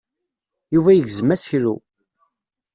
Yuba yegzem aseklu.